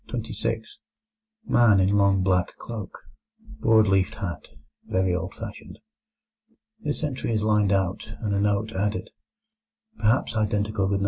Man in long black cloak, broad leafed hat, very old fashioned. This entry is lined out, and a note added: "Perhaps identical with No.